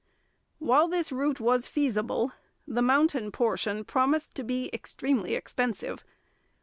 While this route was feasible, the mountain portion promised to be extremely expensive.